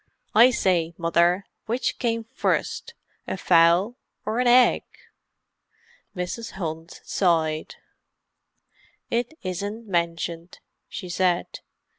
I say, Mother, which came first, a fowl or an egg?" Mrs. Hunt sighed. "It isn't mentioned," she said.